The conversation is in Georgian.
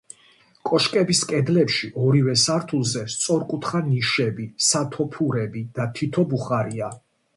კოშკების კედლებში, ორივე სართულზე, სწორკუთხა ნიშები, სათოფურები და თითო ბუხარია.